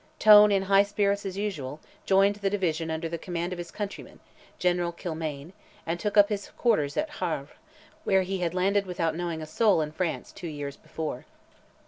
Tone, in high spirits as usual, joined the division under the command of his countryman, General Kilmaine, and took up his quarters at Havre, where he had landed without knowing a soul in France two years before.